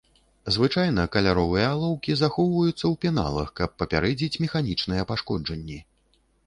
Звычайна каляровыя алоўкі захоўваюцца ў пеналах, каб папярэдзіць механічныя пашкоджанні.